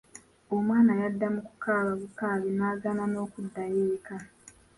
Omwana yadda mu kukaaba bukaabi n’agaana n'okuddayo eka.